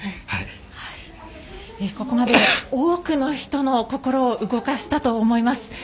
ここまで多くの人の心を動かしたと思います。